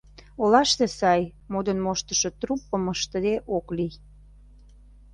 Олаште сай, модын моштышо труппым ыштыде ок лий.